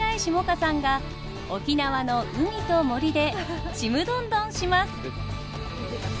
歌さんが沖縄の海と森でちむどんどんします！